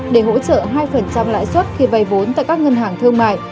để hỗ trợ hai lãi suất khi vây vốn tại các ngân hàng thương mại